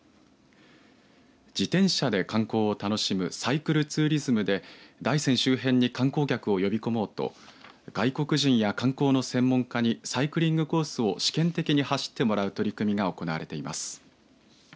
自転車で観光を楽しむサイクルツーリズムで大山周辺に観光客を呼び込もうと外国人や観光の専門家にサイクリングコースを試験的に走ってもらう取り組みが行われています。